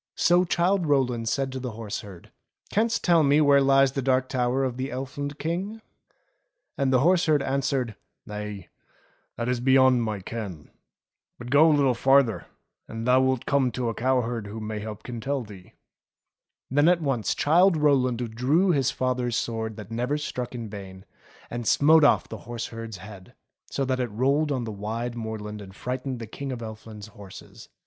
So Childe Rowland said to the horse herd, "Canst tell me where lies the Dark Tower of the Elfland King .?" And the horse herd answered, "Nay, that is beyond my ken ; but go a little farther and thou wilt come to a cow herd who mayhap can tell thee." CHILDE ROWLAND 281 Then at once Childe Rowland drew his father's sword that never struck in vain, and smote oflF the horse herd's head, so that it rolled on the wide moorland and frightened the King of Elfland's horses.